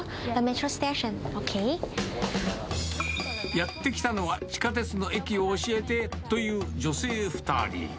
やって来たのは、地下鉄の駅を教えて、という女性２人。